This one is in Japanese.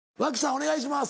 お願いします。